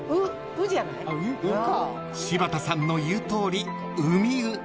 ［柴田さんの言うとおりウミウ］